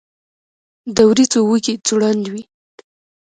د وریجو وږی ځوړند وي.